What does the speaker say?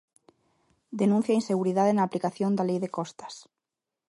Denuncia inseguridade na aplicación da Lei de costas.